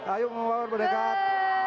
ayo membaur mendekat